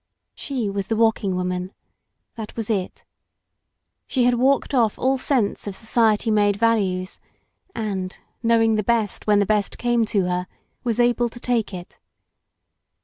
She was the Walking Woman. That was it. She had walked off all sense of society made values, and, knowing the best when the best came to her, was able to take it.